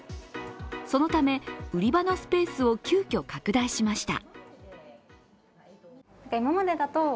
そのため、売り場のスペースを急きょ拡大しました。